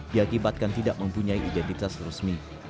diakibatkan tidak mempunyai identitas resmi